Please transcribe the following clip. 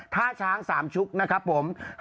ท่าช้างสามชุกนะครับผม